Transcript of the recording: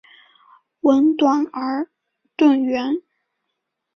吻短而钝圆。